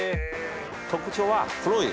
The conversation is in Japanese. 特徴は。